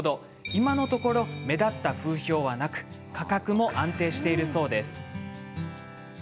今のところ目立った風評はなく価格も安定しているそうです。